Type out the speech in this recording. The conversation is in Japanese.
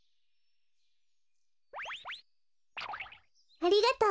ありがとう。